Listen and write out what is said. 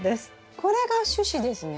これが主枝ですね？